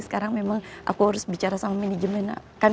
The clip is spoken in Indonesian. sekarang memang aku harus bicara sama manajemen